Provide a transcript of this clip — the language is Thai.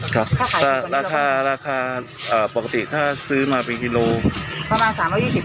ครับราคาราคาอ่าปกติถ้าซื้อมาเป็นกิโลกรัมประมาณสามร้อยยี่สิบ